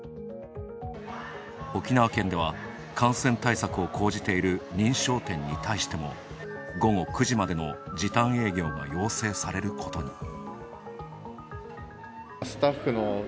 沖縄県では感染対策を講じている認証店に対しても午後９時までの時短営業が要請されることに。